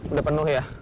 udah penuh ya